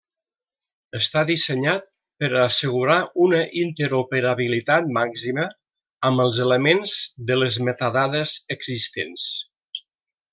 Està dissenyat per a assegurar una interoperabilitat màxima amb els elements de les metadades existents.